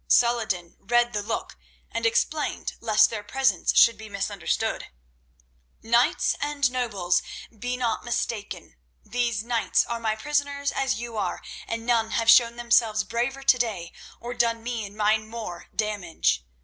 Saladin read the look, and explained lest their presence should be misunderstood: "King and nobles, be not mistaken. These knights are my prisoners, as you are, and none have shown themselves braver to day, or done me and mine more damage.